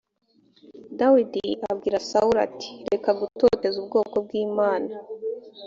dawidi abwira sawuli ati reka gutoteza ubwoko bw’imana